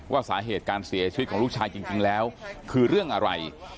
ว่าสาเหตุการเสียชีวิตของลูกชายจริงแล้วคือเรื่องอะไร